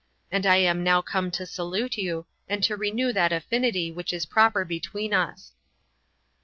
And I am now come to salute you, and to renew that affinity which is proper between us."